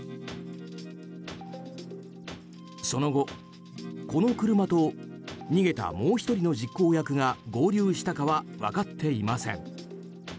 その後、この車と逃げたもう１人の実行役が合流したかは分かっていません。